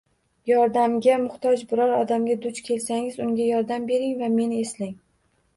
Yordamga muhtoj biror odamga duch kelsangiz, unga yordam bering va meni eslang